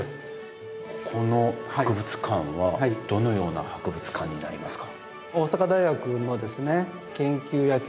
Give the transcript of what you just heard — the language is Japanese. ここの博物館はどのような博物館になりますか？